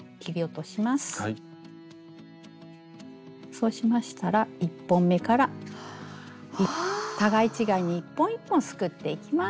そうしましたら１本目から互い違いに一本一本すくっていきます。